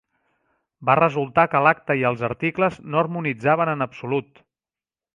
Va resultar que l'acte i els articles no harmonitzaven en absolut.